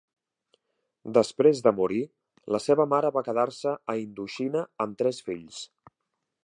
Després de morir, la seva mare va quedar-se a Indoxina amb tres fills.